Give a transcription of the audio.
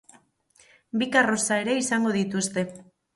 Bi karroza ere izango dituzte.